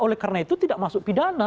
oleh karena itu tidak masuk pidana